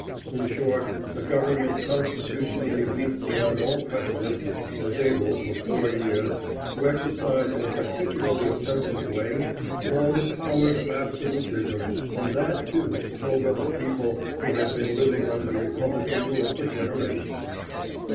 In short, a government constitutionally weak beyond all precedent was able for four years to exercise in a particularly offensive way all the powers of absolutism, and that, too, over a people who had been living under republican rule for generations.